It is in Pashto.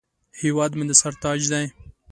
هیواد مې د سر تاج دی